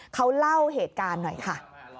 เขาเล่าเหตุการณ์หน่อยค่ะ